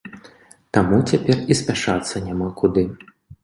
Таму цяпер і спяшацца няма куды.